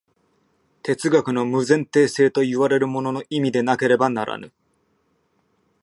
哲学の無前提性といわれるものの意味でなければならぬ。